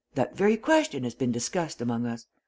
"That very question has been discussed among us.